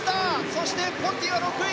そしてポンティは６位。